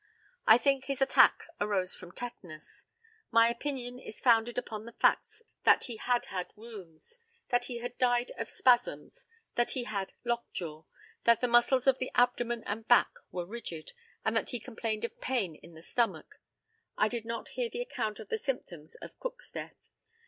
I think his attack arose from tetanus. My opinion is founded upon the facts that he had had wounds, that he had died of spasms, that he had lockjaw, that the muscles of the abdomen and back were rigid, and that he complained of pain in the stomach. I did not hear the account of the symptoms of Cook's death.